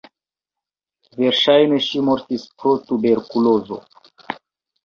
Verŝajne ŝi mortis pro tuberkulozo.